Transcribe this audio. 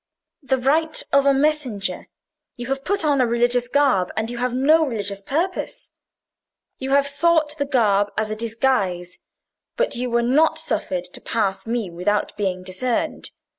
"The right of a messenger. You have put on a religious garb, and you have no religious purpose. You have sought the garb as a disguise. But you were not suffered to pass me without being discerned.